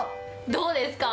どうですか？